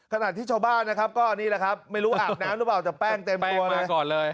ขณะที่ชาวบ้านนะครับก็นี่แหละครับไม่รู้อาบน้ำหรือเปล่าแต่แป้งเต็มตัวเลย